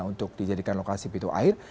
untuk dijadikan lokasi pintu air